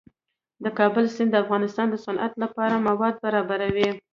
د کابل سیند د افغانستان د صنعت لپاره مواد برابروي.